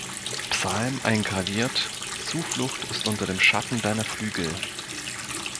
Psalm eingraviert: »Zuflucht ist unter dem Schatten deiner Flügel«.